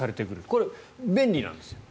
これ、便利なんですよ。